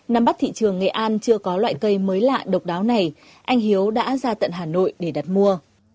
năm bắt thị trường nghệ an chưa có loại cây mới lạ độc đáo này anh hiếu đã ra tận hà nội để đặt mua